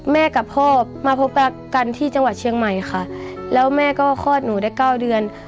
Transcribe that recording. แม่กับพ่อมาพบรักกันที่จังหวัดเชียงใหม่ค่ะแล้วแม่ก็คลอดหนูได้เก้าเดือน